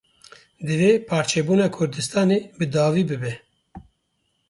Divê parçebûna Kurdistanê bi dawî bibe.